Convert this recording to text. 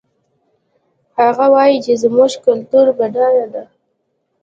هغه وایي چې زموږ کلتور بډایه ده